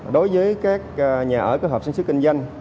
đối với các nhà ở cơ hợp sinh sức kinh doanh